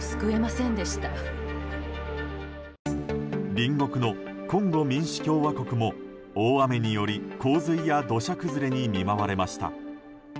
隣国のコンゴ民主共和国も大雨により洪水や土砂崩れに見舞われました。